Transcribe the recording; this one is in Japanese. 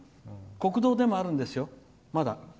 国道でもあるんですよ、まだ。